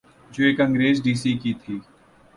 جو ایک انگریز ڈی سی کی تھی۔